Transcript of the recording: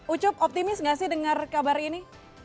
ucup optimis gak sih dengar kabar ini